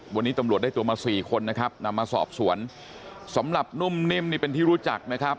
วันนี้ตำรวจได้ตัวมาสี่คนนะครับนำมาสอบสวนสำหรับนุ่มนิ่มนี่เป็นที่รู้จักนะครับ